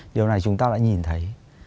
điều này chúng ta đã nhìn thấy